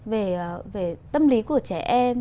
về tâm lý của trẻ em